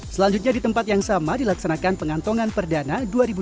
selanjutnya di tempat yang sama dilaksanakan pengantongan perdana dua ribu dua puluh